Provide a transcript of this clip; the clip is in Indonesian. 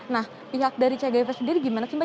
nah pihak dari cgv sendiri gimana sih mbak